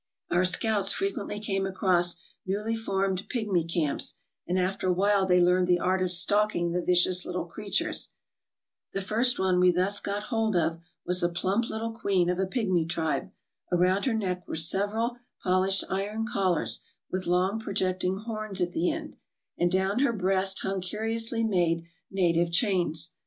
Our scouts frequently came across newly formed pigmy camps, and after awhile they learned the art of stalking the vicious little creatures. The first one we thus got hold of was a plump little queen of a pigmy tribe. Around her neck were several polished iron collars with long projecting horns at the end, and down her breast hung curiously made 346 TRAVELERS AND EXPLORERS native chains.